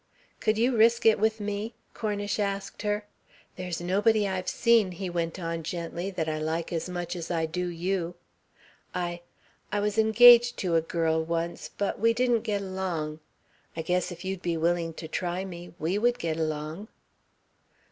"Could you risk it with me?" Cornish asked her. "There's nobody I've seen," he went on gently, "that I like as much as I do you. I I was engaged to a girl once, but we didn't get along. I guess if you'd be willing to try me, we would get along."